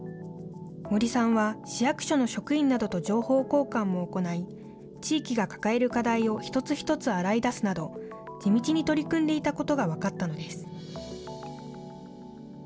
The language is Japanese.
森さんは、市役所の職員などと情報交換も行い、地域が抱える課題を一つ一つ洗い出すなど、地道に取り組んでいたことが分かったのです。